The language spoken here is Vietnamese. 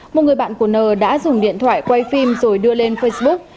một người bạn của n đã dùng điện thoại quay phim rồi đưa lên facebook